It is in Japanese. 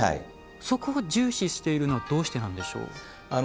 そこを重視しているのはどうしてなんでしょう？